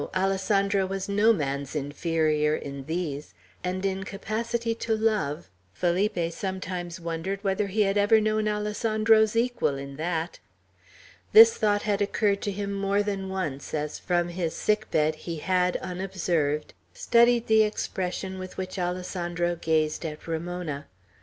Alessandro was no man's inferior in these; and in capacity to love, Felipe sometimes wondered whether he had ever known Alessandro's equal in that. This thought had occurred to him more than once, as from his sick bed he had, unobserved, studied the expression with which Alessandro gazed at Ramona.